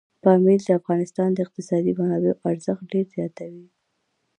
پامیر د افغانستان د اقتصادي منابعو ارزښت ډېر زیاتوي.